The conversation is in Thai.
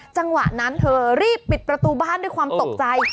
จังหวะนั้นเธอรีบปิดประตูบ้านด้วยความตกใจ